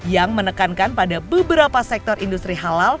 yang menekankan pada beberapa sektor industri halal